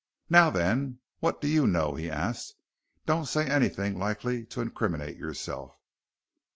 "Now, then, what do you know?" he asked. "Don't say anything likely to incriminate yourself."